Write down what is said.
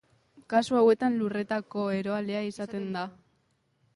Kasu hauetan lurrerako eroalea izaten da.